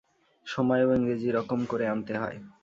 সময়ও ইংরেজী-রকম করে আনতে হয়।